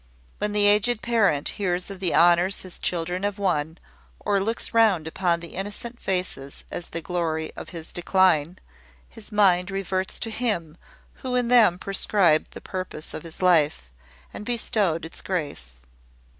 When the aged parent hears of the honours his children have won, or looks round upon their innocent faces as the glory of his decline, his mind reverts to Him who in them prescribed the purpose of his life, and bestowed its grace.